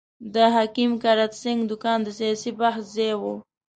د حکیم کرت سېنګ دوکان د سیاسي بحث ځای وو.